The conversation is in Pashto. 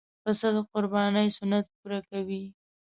پسه د قربانۍ سنت پوره کوي.